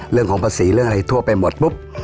เรื่องของภาษีเรื่องอะไรทั่วไปหมดปุ๊บ